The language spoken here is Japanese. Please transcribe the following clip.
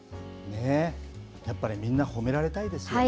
やっぱりみんな褒められたいですよね。